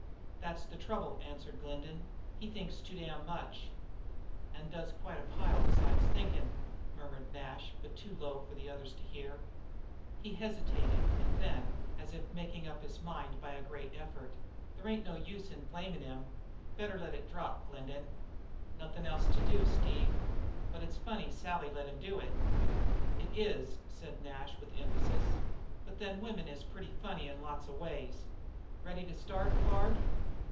"That's the trouble," answered Glendin, "he thinks too damned much." "And does quite a pile besides thinkin'," murmured Nash, but too low for the others to hear it. He hesitated, and then, as if making up his mind by a great effort: "There ain't no use blamin' him; better let it drop, Glendin." "Nothin' else to do, Steve; but it's funny Sally let him do it." "It is," said Nash with emphasis, "but then women is pretty funny in lots of ways. Ready to start, Bard?"